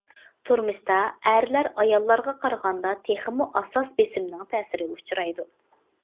تۇرمۇشتا ئەرلەر ئاياللارغا قارىغاندا تېخىمۇ ئاساس بېسىمنىڭ تەسىرىگە ئۇچرايدۇ.